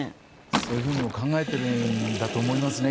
そういうふうにも考えているんだと思いますね。